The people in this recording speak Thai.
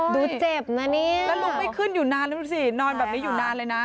ดูเจ็บนะนี่แล้วลุงไม่ขึ้นอยู่นานแล้วดูสินอนแบบนี้อยู่นานเลยนะ